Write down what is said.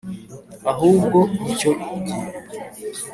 ahubwo nicyo gihe